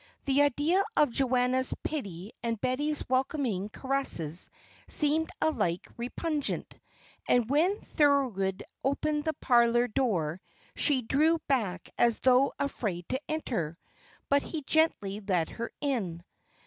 The idea of Joanna's pity and Betty's welcoming caresses seemed alike repugnant; and when Thorold opened the parlour door, she drew back as though afraid to enter; but he gently led her in.